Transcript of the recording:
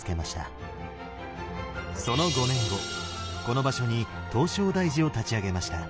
その５年後この場所に唐招提寺を立ち上げました。